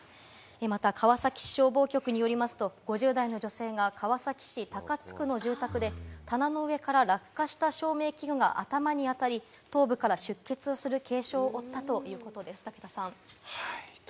また川崎消防局によりますと、川崎市高津区の住宅で棚の上から落下した照明器具が男性５０代の頭にあたり、出血する軽傷を負ったということです。